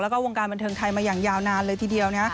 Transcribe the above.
แล้วก็วงการบันเทิงไทยมาอย่างยาวนานเลยทีเดียวนะ